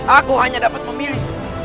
aku hanya dapat memilih